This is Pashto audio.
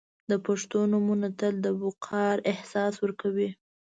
• د پښتو نومونه تل د وقار احساس ورکوي.